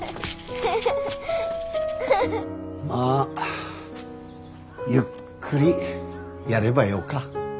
まあゆっくりやればよか。